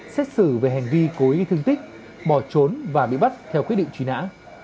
xét xử về hành vi cố ý thương tích bỏ trốn và bị bắt theo quyết định truy nã